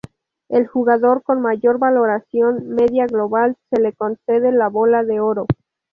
El jugador con mayor valoración media global se le concede la Bola de Oro.